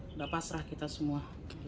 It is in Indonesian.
nggak pasrah kita semua